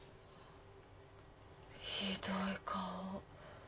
ひどい顔。